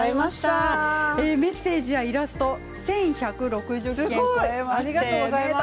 メッセージやイラスト１１６０件を超えました。